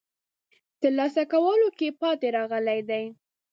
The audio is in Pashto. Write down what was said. ترلاسه کولو کې پاتې راغلي دي.